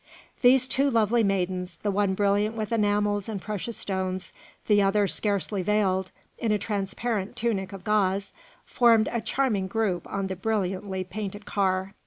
These two lovely maidens, the one brilliant with enamels and precious stones, the other scarcely veiled in a transparent tunic of gauze, formed a charming group on the brilliantly painted car.